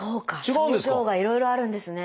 症状がいろいろあるんですね。